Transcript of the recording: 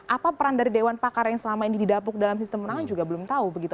apa peran dari dewan pakar yang selama ini didapuk dalam sistem menangan juga belum tahu begitu